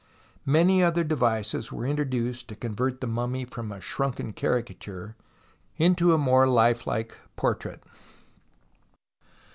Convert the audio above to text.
INIany otlier devices were introduced to convert the mummy from a shrunken cari cature into a more life like portrait.